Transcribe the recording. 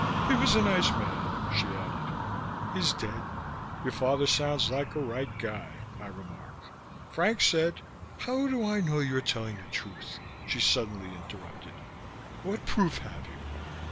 He was a nice man," she added. "He's dead." "Your father sounds like a right guy," I remarked. "Frank said " "How do I know you're telling the truth?" she suddenly interrupted. "What proof have you?"